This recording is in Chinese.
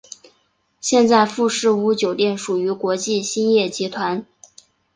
现在富士屋酒店属于国际兴业集团。